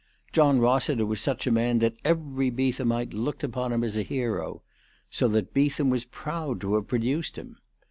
John Hossiter was such a man that every Beethamite looked upon him as a hero, so that Beetham was proud to have produced him.